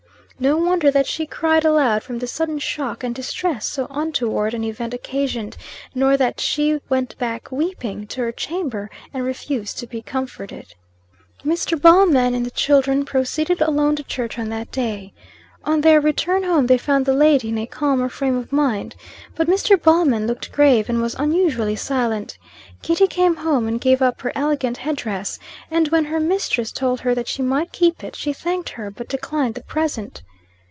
No wonder that she cried aloud from the sudden shock and distress so untoward an event occasioned; nor that she went back weeping to her chamber, and refused to be comforted. Mr. Ballman and the children proceeded alone to church on that day. On their return home they found the lady in a calmer frame of mind. But Mr. Ballman looked grave and was unusually silent. Kitty came home and gave up her elegant head dress; and when her mistress told her that she might keep it, she thanked her, but declined the present.